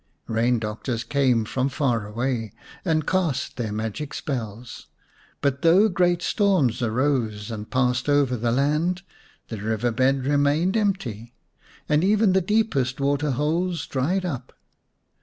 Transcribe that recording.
Eain doctors came from far away and cast their magic spells ; but though great storms arose and passed over the land, the river bed re mained empty, and even the deepest water holes dried up.